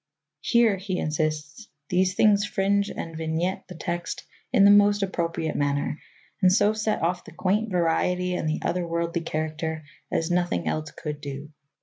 "Here," he insists, "these things fringe and vignette the text in the most appropriate manner, and so set off the quaint variety and the other worldly character as nothing else could do."